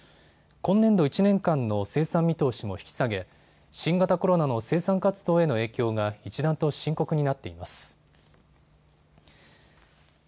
今年度１年間の生産見通しも引き下げ、新型コロナの生産活動への影響が一段と深刻になっています。